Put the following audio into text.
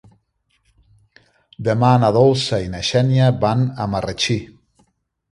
Demà na Dolça i na Xènia van a Marratxí.